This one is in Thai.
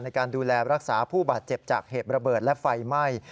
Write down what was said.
ในการดูแลรักษาผู้บาดเจ็บจากเหตุระเบิดและไฟไหม้